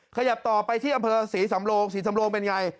ขยับต่อไปที่อำเภอศรีสำโลงศรีสำโลงเป็นไง